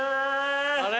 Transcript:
あれ？